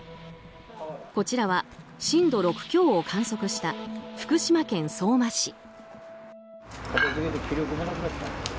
こちらは震度６強を観測した福島県相馬市。